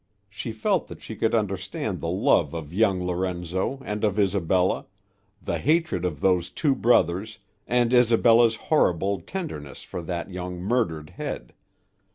She felt that she could understand the love of young Lorenzo and of Isabella, the hatred of those two brothers and Isabella's horrible tenderness for that young murdered head.